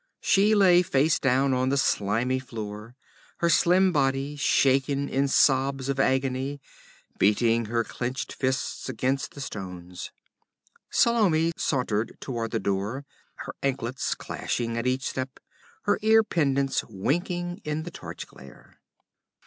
She lay face down on the slimy floor, her slim body shaken in sobs of agony, beating her clenched hands against the stones. Salome sauntered toward the door, her anklets clashing at each step, her ear pendants winking in the torch glare.